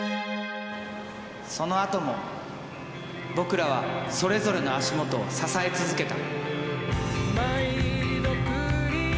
そのあとも僕らはそれぞれの足元を支え続けた。